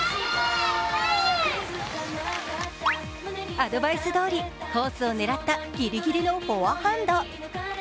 アドバイスどおりコースを狙ったぎりぎりのフォアハンド。